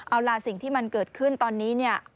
เอาล่ะสิ่งที่มันเกิดขึ้นตอนนี้เนี่ย